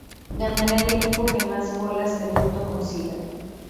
Ganará el equipo que más bolas del mundo consiga.